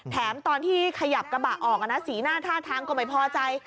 แถมตอนที่ขยับกระบะออกสีหน้าท่าทางก็ไม่พอใจ